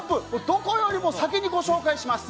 どこよりも先にご紹介します。